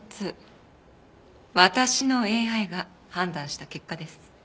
私のＡＩが判断した結果です。